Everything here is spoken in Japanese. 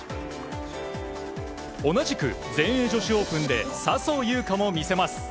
同じく全英女子オープンで笹生優花も見せます。